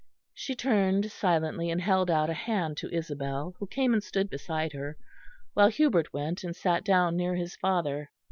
She turned silently and held out a hand to Isabel, who came and stood beside her, while Hubert went and sat down near his father.